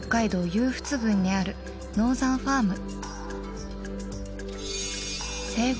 勇払郡にあるノーザンファーム生後